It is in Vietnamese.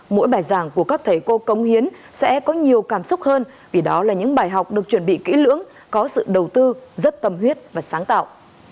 mỗi bài giảng của các thầy cô công hiến sẽ có nhiều cảm xúc hơn vì đó là những bài học được chuẩn bị kỹ lưỡng có sự đầu tư rất tâm huyết và sáng tạo